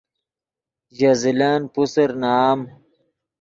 ژے زلن پوسر نام